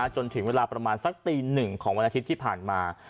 จนถึงเวลาประมาณสักตีหนึ่งของวันอาทิตย์ที่ผ่านมา